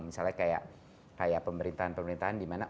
misalnya kayak pemerintahan pemerintahan dimana